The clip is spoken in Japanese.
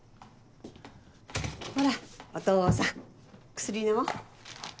ほらお父さん薬飲もう。